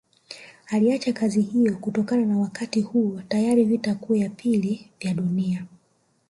Aliacha kazi hiyo kutokana na Wakati huo tayari vita vikuu vya pili vya dunia